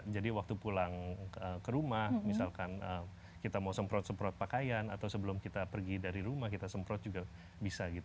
jadi waktu pulang ke rumah misalkan kita mau semprot semprot pakaian atau sebelum kita pergi dari rumah kita semprot juga bisa gitu